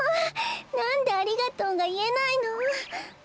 なんで「ありがとう」がいえないの？